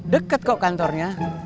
deket kok kantornya